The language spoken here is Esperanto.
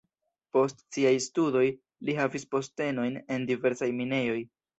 Post siaj studoj li havis postenojn en diversaj minejoj.